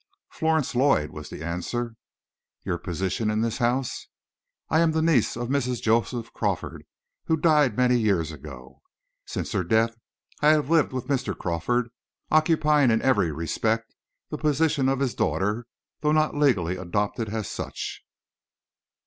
"Florence Lloyd," was the answer. "Your position in this house?" "I am the niece of Mrs. Joseph Crawford, who died many years ago. Since her death I have lived with Mr. Crawford, occupying in every respect the position of his daughter, though not legally adopted as such."